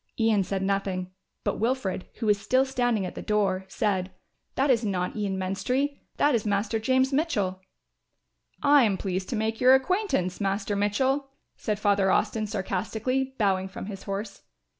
Ian said nothing, but Wilfred, who was still standing at the door, said, "That is not Ian Menstrie, that is Master James Mitchell." "I am pleased to make your acquaintance, Master Mitchell," said Father Austin sarcastically, bowing from his horse.